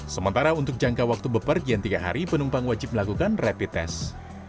sementara untuk jangka waktu bepergian tiga hari penumpang wajib melakukan rapid test